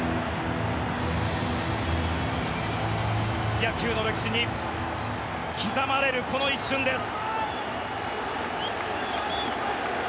野球の歴史に刻まれるこの一瞬です。